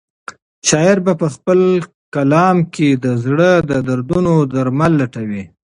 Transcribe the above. شاعر په خپل کلام کې د زړه د دردونو درمل لټوي.